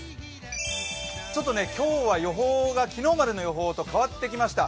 ちょっと今日は予報が昨日までの予報と変わってきました。